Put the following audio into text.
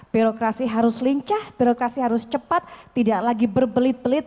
birokrasi harus lincah birokrasi harus cepat tidak lagi berbelit belit